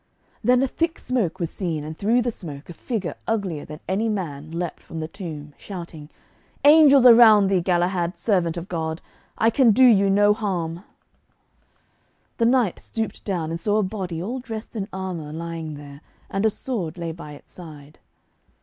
Then a thick smoke was seen, and through the smoke a figure uglier than any man leaped from the tomb, shouting, 'Angels are round thee, Galahad, servant of God. I can do you no harm.' The knight stooped down and saw a body all dressed in armour lying there, and a sword lay by its side.